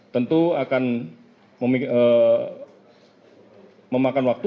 tentu akan memakan waktu